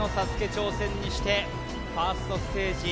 挑戦にしてファーストステージ